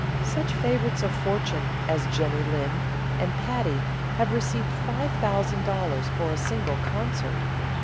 Such favorites of fortune as Jenny Lind and Patti have received five thousand dollars for a single concert.